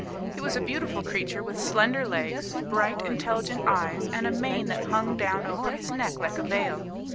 He was a beautiful creature, with slender legs, bright, intelligent eyes, and a mane that hung down over his neck like a veil.